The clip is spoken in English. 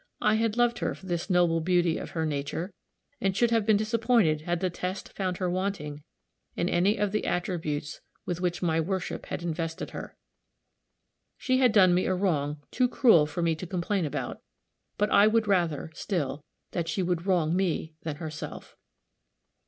I had loved her for this noble beauty of her nature, and should have been disappointed had the test found her wanting in any of the attributes with which my worship had invested her. She had done me a wrong too cruel for me to complain about; but I would rather, still, that she would wrong me than herself.